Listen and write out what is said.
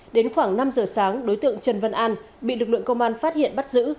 đến khoảng năm giờ sáng đối tượng trần văn an bị lực lượng công an phát hiện bắt giữ